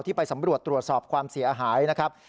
ไปสำรวจตรวจสอบความเสียหายนะครับ